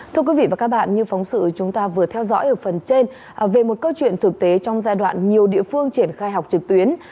thưa quý vị và các bạn như phóng sự chúng ta vừa theo dõi ở phần trên về một câu chuyện thực tế trong giai đoạn nhiều địa phương triển khai học trực tuyến